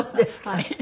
はい。